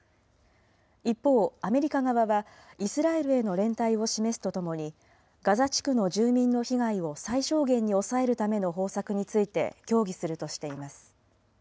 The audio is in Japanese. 一方、アメリカ側はイスラエルへの連帯を示すとともに、ガザ地区の住民の被害を最小限に抑えるための方策について協議するとしています。